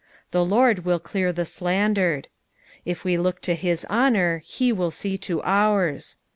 The Lord will clear the slandered. If we look to his honour, he wilt see to ours.